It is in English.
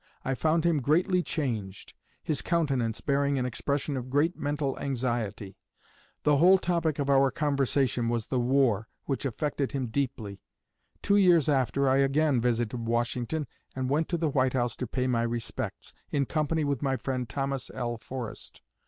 I found him greatly changed, his countenance bearing an expression of great mental anxiety. The whole topic of our conversation was the war, which affected him deeply.... Two years after, I again visited Washington, and went to the White House to pay my respects, in company with my friend Thomas L. Forrest.